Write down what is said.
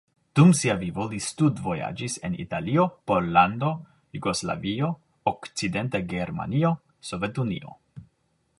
Dum sia vivo li studvojaĝis en Italio, Pollando, Jugoslavio, Okcidenta Germanio, Sovetunio.